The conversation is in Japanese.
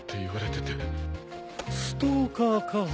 ストーカーか。